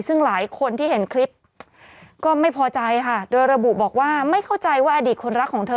ซึ่งหลายคนที่เห็นคลิปก็ไม่พอใจค่ะโดยระบุบอกว่าไม่เข้าใจว่าอดีตคนรักของเธอ